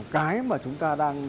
cái mà chúng ta đang